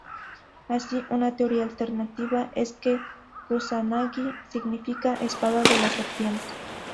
Así, una teoría alternativa es que Kusanagi significa "espada de la serpiente".